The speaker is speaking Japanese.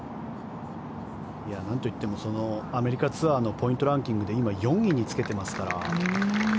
なんといってもアメリカツアーのポイントランキングで今、４位につけてますから。